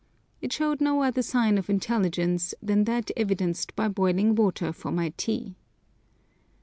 It showed no other sign of intelligence than that evidenced by boiling water for my tea.